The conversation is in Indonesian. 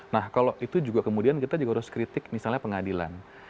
nah kalau itu juga kemudian kita juga harus kritik misalnya pengadilan